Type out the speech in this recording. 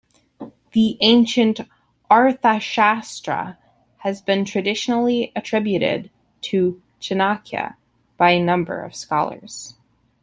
The ancient "Arthashastra" has been traditionally attributed to Chanakya by a number of scholars.